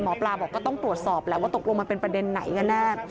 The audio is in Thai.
หมอปลาบอกก็ต้องตรวจสอบแหละว่าตกลงมันเป็นประเด็นไหนกันแน่